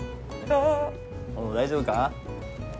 大丈夫か？